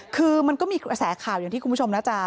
คือมันก็มีกระแสข่าวอย่างที่คุณผู้ชมน่าจะ